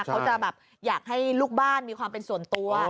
เขาจะแบบอยากให้ลูกบ้านมีความเป็นส่วนตัว